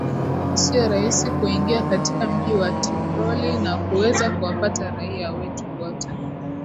sio rahisi kuingia katika mji wa tiproli na kuweza kuwapata raia wetu wote